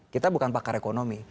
kita bukan pakar ekonomi